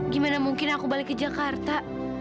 gimana mungkin aku balik ke jakarta